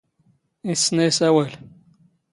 ⵉⵙⵙⵏ ⴰⵢ ⵉⵙⴰⵡⴰⵍ.